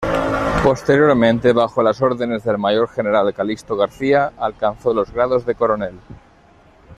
Posteriormente, bajo las órdenes del Mayor general Calixto García, alcanzó los grados de Coronel.